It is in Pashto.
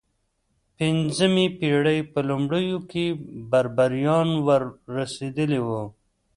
د پنځمې پېړۍ په لومړیو کې بربریان ور رسېدلي وو.